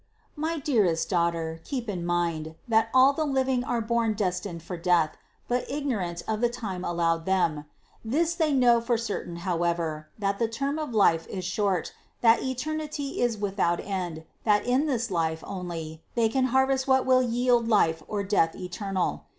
410. My dearest daughter, keep in mind, that all the living are born destined for death, but ignorant of the time allowed them ; this they know for certain however, that the term of life is short, that eternity is without end, and that in this life only they can harvest what will yield life or death eternal.